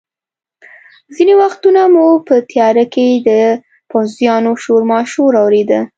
ځینې وختونه مو په تیاره کې د پوځیانو شورماشور اورېده.